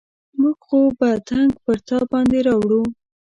موږ خو به تنګ پر تا باندې راوړو.